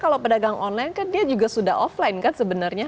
kalau pedagang online kan dia juga sudah offline kan sebenarnya